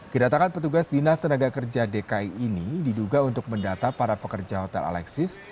kedatangan petugas dinas tenaga kerja dki ini diduga untuk mendata para pekerja hotel alexis